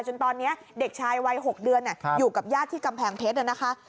จนตอนนี้เด็กชายวัย๖เดือนอยู่กับญาติที่กำแพงเพชรนะคะ